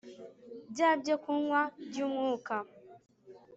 bya byokunywa by Umwuka